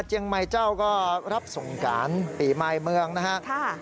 ใหม่เจ้าก็รับส่งการปีใหม่เมืองนะครับ